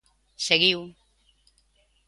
Seguiu.